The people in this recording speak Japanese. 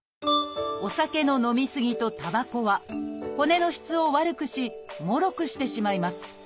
「お酒の飲み過ぎ」と「たばこ」は骨の質を悪くしもろくしてしまいます。